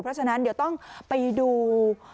เพราะฉะนั้นเดี๋ยวต้องไปดู